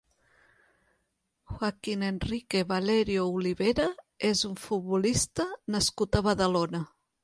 Joaquín Enrique Valerio Olivera és un futbolista nascut a Badalona.